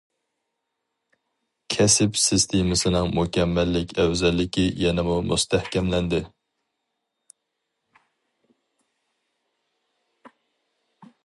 كەسىپ سىستېمىسىنىڭ مۇكەممەللىك ئەۋزەللىكى يەنىمۇ مۇستەھكەملەندى.